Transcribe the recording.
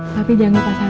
tapi jangan lupa sarapan